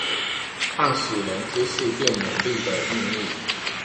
創始人知識變能力的祕密